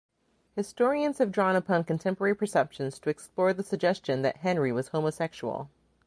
Historians have drawn upon contemporary perceptions to explore the suggestion that Henry was homosexual.